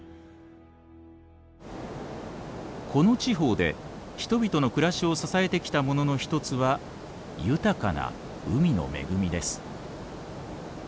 この地方で人々の暮らしを支えてきたものの一つは豊かな海の恵みです。